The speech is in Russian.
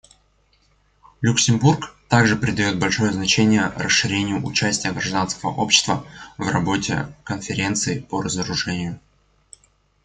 Люксембург также придает большое значение расширению участия гражданского общества в работе Конференции по разоружению.